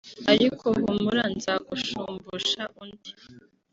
ariko humura nzagushumbusha undi